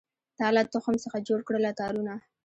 تا له تخم څخه جوړکړله تارونه